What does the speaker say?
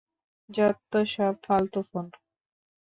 যত্তসব ফালতু ফোন!